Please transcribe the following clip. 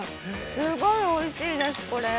すごいおいしいです、これ。